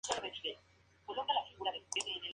Flora of tropical East Africa.